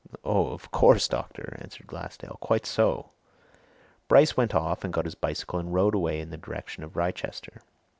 "Oh, of course, doctor!" answered Glassdale. "Quite so!" Bryce went off and got his bicycle and rode away in the direction of Wrychester.